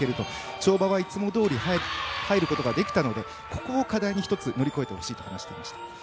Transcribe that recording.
跳馬はいつもどおりいけたのでここを課題に１つ乗り越えてほしいと話していました。